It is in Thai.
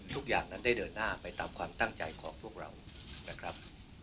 ทุกอย่างนั้นได้เดินหน้าไปตามความตั้งใจของพวกเรานะครับ